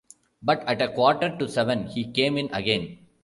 But at a quarter to seven he came in again.